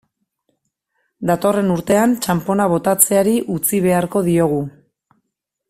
Datorren urtean, txanpona botatzeari utzi beharko diogu.